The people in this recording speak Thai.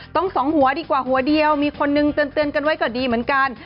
สองหัวดีกว่าหัวเดียวมีคนนึงเตือนกันไว้ก็ดีเหมือนกัน